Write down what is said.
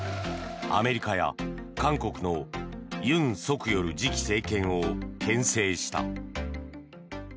アメリカや韓国の尹錫悦次期政権をけん制した。